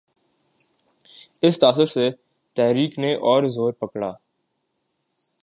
اس تاثر سے تحریک نے اور زور پکڑا۔